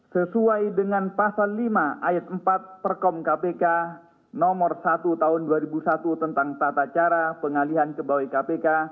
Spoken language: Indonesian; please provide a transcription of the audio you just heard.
sesuai dengan pasal lima ayat empat perkom kpk nomor satu tahun dua ribu satu tentang tata cara pengalihan kebawai kpk